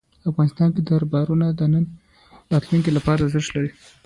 افغانستان کې دریابونه د نن او راتلونکي لپاره ارزښت لري.